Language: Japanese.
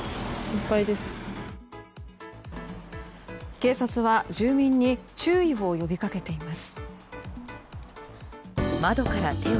警察は、住民に注意を呼びかけています。